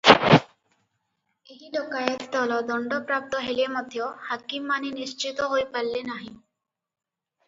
ଏହି ଡକାଏତ ଦଳ ଦଣ୍ଡ ପ୍ରାପ୍ତ ହେଲେ ମଧ୍ୟ ହାକିମମାନେ ନିଶ୍ଚିନ୍ତ ହୋଇ ପାରିଲେ ନାହିଁ ।